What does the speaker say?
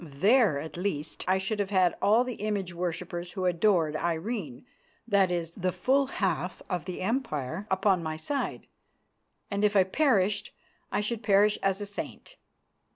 There at least I should have had all the image worshippers who adored Irene, that is, the full half of the Empire, upon my side, and if I perished, I should perish as a saint.